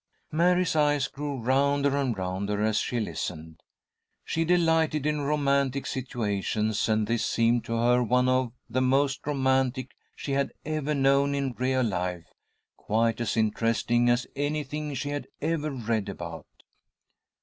Mary's eyes grew rounder and rounder as she listened. She delighted in romantic situations, and this seemed to her one of the most romantic she had ever known in real life, quite as interesting as anything she had ever read about.